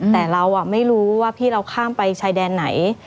แต่เราไม่รู้ว่าพี่เราข้ามไปชายแดนไหน